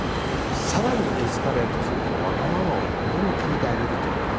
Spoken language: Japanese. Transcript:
更にエスカレートするとわがままをなんでも聞いてあげるということ。